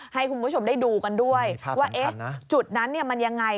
ให้คุณผู้ชมได้ดูกันด้วยว่าจุดนั้นมันยังไง